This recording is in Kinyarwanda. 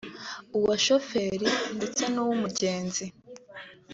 uwashoferi ndetse n’uwumugenzi